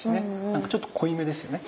何かちょっと濃いめですよね。